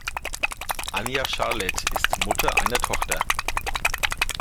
Anja Charlet ist Mutter einer Tochter.